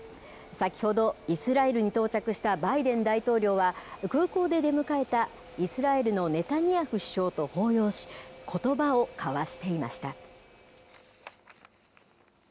先ほど、イスラエルに到着したバイデン大統領は、空港で出迎えたイスラエルのネタニヤフ首相と抱擁し、ことばを交わしていました。